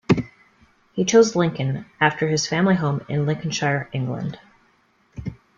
He chose Lincoln, after his family home in Lincolnshire, England.